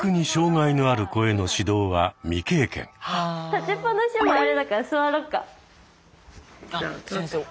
立ちっぱなしもあれだから座ろうか。